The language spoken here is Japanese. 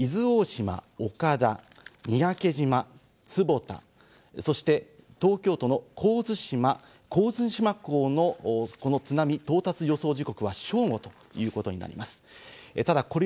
続いて伊豆大島岡田、三宅島坪田、そして東京都の神津島港の津波到達予想時刻は正午ということになります。